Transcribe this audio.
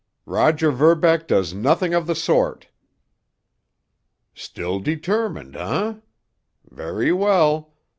"Roger Verbeck does nothing of the sort!" "Still determined, eh? Very well.